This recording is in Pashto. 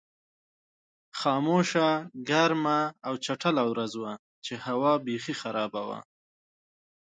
خاموشه، ګرمه او چټله ورځ وه چې هوا بېخي خرابه وه.